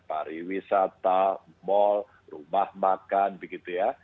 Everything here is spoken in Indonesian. pariwisata mal rumah makan begitu ya